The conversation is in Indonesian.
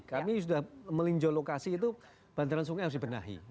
kami sudah melinjau lokasi itu bantaran sungai harus dibenahi